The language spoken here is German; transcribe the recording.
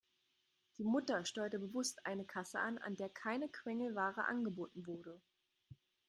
Die Mutter steuerte bewusst eine Kasse an, an der keine Quengelware angeboten wurde.